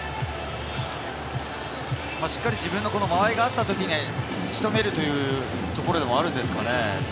しっかり自分の間合いがあったときにしとめるというところでもあるんですかね。